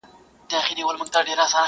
چي یو افغان راپاته، یو کونړ، یوه جاله وي!!